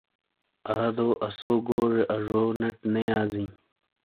آدو اسو گوزے آزو نیٹ نے یازیں۔